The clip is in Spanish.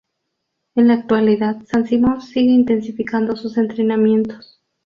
En la actualidad, San Simón sigue intensificando sus entrenamientos.